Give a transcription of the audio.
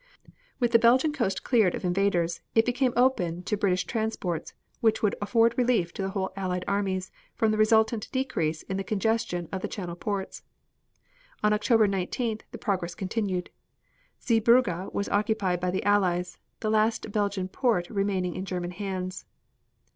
With the Belgian coast cleared of invaders it became open to British transports which would afford relief to the whole Allied armies from the resultant decrease in the congestion of the channel ports. On October 19th the progress continued. Zeebrugge was occupied by the Allies, the last Belgian port remaining in German hands.